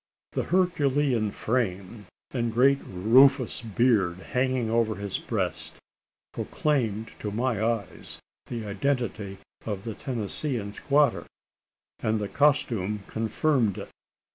The Herculean frame, and great rufous beard hanging over his breast, proclaimed to my eyes the identity of the Tennessean squatter; and the costume confirmed it.